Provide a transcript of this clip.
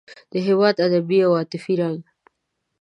د هېواد ادبي او عاطفي رنګ.